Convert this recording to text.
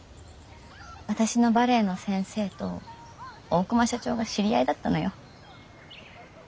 私のバレエの先生と大熊社長が知り合いだったのよ。